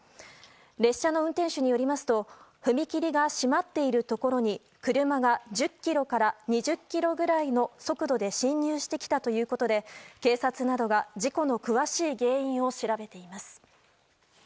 列車の運転手によりますと踏切が閉まっているところに車が１０キロから２０キロくらいの速度で進入してきたとみて警察などが事故の詳しい原因を調べています。